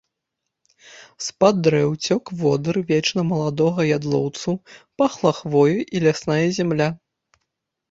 З-пад дрэў цёк водыр вечна маладога ядлоўцу, пахла хвоя і лясная зямля.